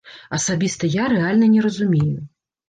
Асабіста я рэальна не разумею.